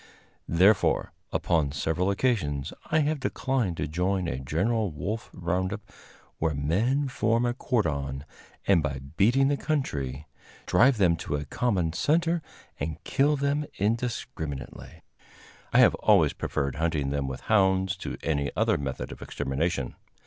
Therefore, upon several occasions, I have declined to join a general wolf round up, where men form a cordon, and, by beating the country, drive them to a common center and kill them indiscriminately. I have always preferred hunting them with hounds to any other method of extermination.